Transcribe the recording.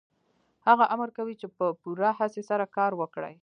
هغه امر کوي چې په پوره هڅې سره کار وکړئ